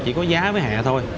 chỉ có giá với hẹ thôi